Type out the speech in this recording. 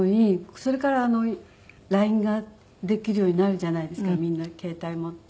それからＬＩＮＥができるようになるじゃないですかみんな携帯持って。